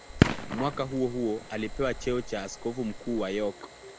Mwaka huohuo alipewa cheo cha askofu mkuu wa York.